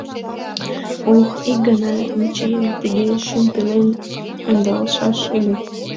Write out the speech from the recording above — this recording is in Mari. Ох, ик гана Мичийым тыге шӱм пелен ӧндалшаш ыле...